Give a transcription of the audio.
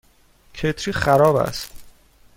کتری خراب است.